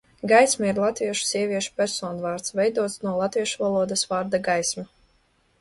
"Gaisma ir latviešu sieviešu personvārds, veidots no latviešu valodas vārda "gaisma"."